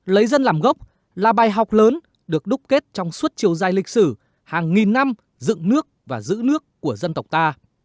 lấy dân làm gốc là bài học lớn được đúc kết trong suốt chiều dài lịch sử hàng nghìn năm dựng nước và giữ nước của dân tộc ta